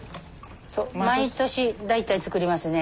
そう毎年大体作りますね。